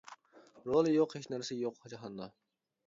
رولى يوق ھېچ نەرسە يوق جاھاندا.